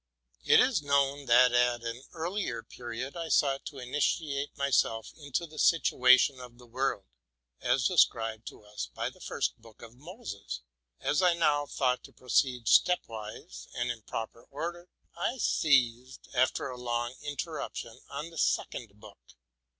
It is known, that, at an earlier period, I tried to initiate my self into the situation of the world, as described to us by the first book of Moses. As I now thought to proceed stepwise, and in proper order, I seized, after a long interruption, on the second book.